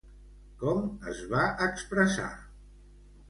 Com es va expressar?